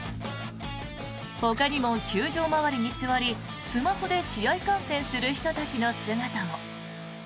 ほかにも球場周りに座りスマホで試合観戦する人たちの姿も。